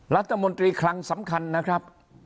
รัฐมนตรีครั้งสำคัญนะครับ